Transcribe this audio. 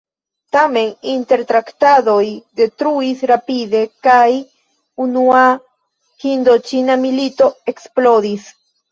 Tamen, intertraktadoj detruis rapide kaj Unua Hindoĉina Milito eksplodis.